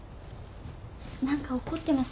何か怒ってます。